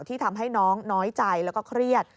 ที่ทำให้น้องน้อยใจแล้วก็เครียด